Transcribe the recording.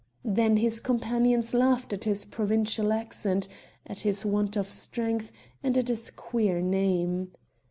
Then his companions laughed at his provincial accent, at his want of strength and at his queer name.